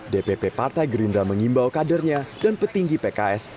dpp partai gerindra mengimbau kadernya dan petinggi pks